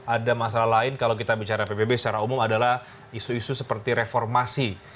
ada masalah lain kalau kita bicara pbb secara umum adalah isu isu seperti reformasi